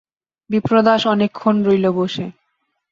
বিপ্রদাস অনেকক্ষণ রইল বসে।